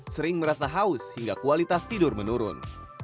sering merasa haus hingga kualitas tidur menurun